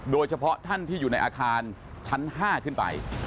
โดยเฉพาะท่านที่อยู่ในอาคารชั้น๕ขึ้นไป